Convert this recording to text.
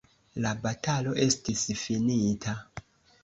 La batalo estis finita.